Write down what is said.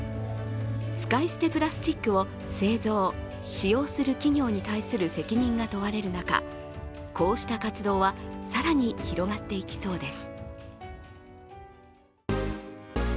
使い捨てプラスチックを製造・使用する企業に対する責任が問われる中、こうした活動は更に広がっていきそうです。